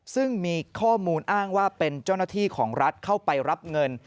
ซึ่งมีข้อมูลอ้างว่าเป็นเจ้าหน้าที่ของรัฐเข้าไปรับเงิน